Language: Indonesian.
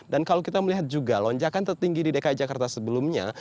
dan kalau kita melihat juga lonjakan tertinggi di dki jakarta sebelumnya